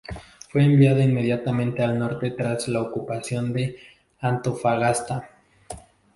Fue enviada inmediatamente al norte tras la ocupación de Antofagasta.